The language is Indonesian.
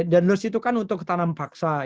dan revols itu kan untuk tanam paksa